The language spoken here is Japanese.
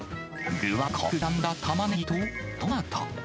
具は細かく刻んだタマネギとトマト。